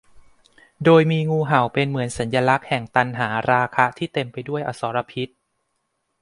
โดยมีงูเห่าเป็นเสมือนสัญลักษณ์แห่งตัณหาราคะที่เต็มไปด้วยอสรพิษ